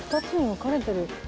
２つに分かれてる。